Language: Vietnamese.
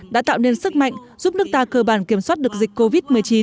đã tạo nên sức mạnh giúp nước ta cơ bản kiểm soát được dịch covid một mươi chín